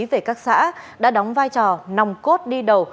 về các xã đã đóng vai trò nòng cốt đi đầu